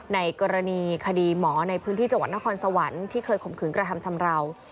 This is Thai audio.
ในกรณีคดีหมอในพื้นที่จังหวัดนครสวรรค์ที่เคยข่มขืนกระทำชำราว